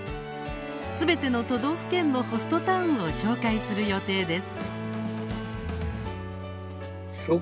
すべての都道府県のホストタウンを紹介する予定です。